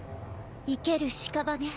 生けるしかばね